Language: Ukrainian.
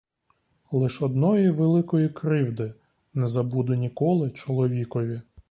Лиш одної великої кривди не забуду ніколи чоловікові.